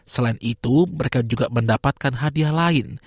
selain itu mereka juga mendapatkan hadiah lain